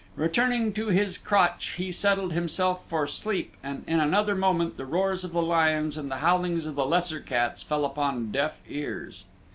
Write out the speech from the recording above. Returning to his crotch he settled himself for sleep and in another moment the roars of the lions and the howlings of the lesser cats fell upon deaf ears.